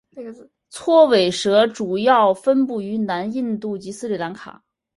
锉尾蛇主要分布于南印度及斯里兰卡。